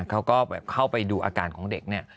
เขาก็แบบเข้าไปดูอาการของเด็กเนี่ย